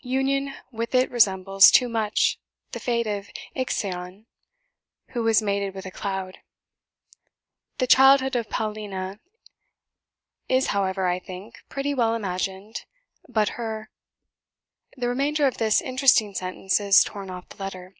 Union with it resembles too much the fate of Ixion, who was mated with a cloud. The childhood of Paulina is, however, I think, pretty well imagined, but her. .." (the remainder of this interesting sentence is torn off the letter).